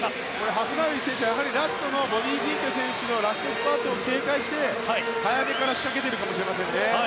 ハフナウイ選手はラストのボビー・フィンケ選手のラストスパートを警戒して、早めから仕掛けてくるかもしれませんね。